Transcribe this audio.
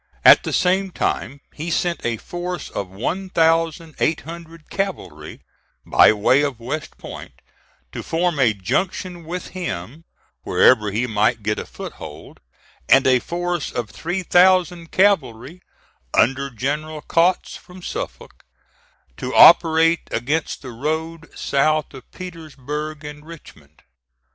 At the same time he sent a force of one thousand eight hundred cavalry, by way of West Point, to form a junction with him wherever he might get a foothold, and a force of three thousand cavalry, under General Kautz, from Suffolk, to operate against the road south of Petersburg and Richmond.